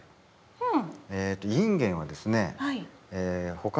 うん。